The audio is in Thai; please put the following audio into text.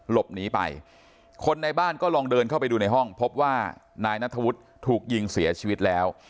หลบหนีไปคนในบ้านก็ลองเดินเข้าไปดูในห้องพบว่านายนัทธวุฒิถูกยิงเสียชีวิตแล้ว